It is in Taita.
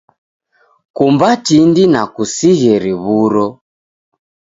kumba tindi na kusighe riw'uro.